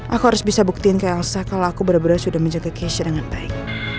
aku harus bisa buktiin ke elsa kalau aku bener bener sudah menjaga kece dengan baik